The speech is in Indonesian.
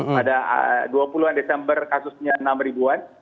pada dua puluh an desember kasusnya enam ribuan